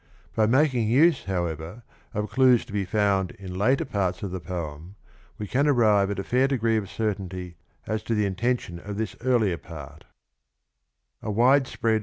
By making use, however, of clues to be found in later parts of the poem we can arrive at a fair degree of certainty as to the intention of this earlier part.